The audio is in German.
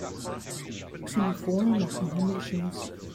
Xylophone machen himmlische Musik.